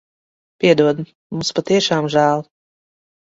Piedod. Mums patiešām žēl.